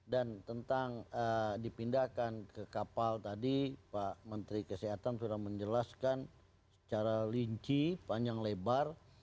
dan tentang dipindahkan ke kapal tadi pak menteri kesehatan sudah menjelaskan secara linci panjang lebar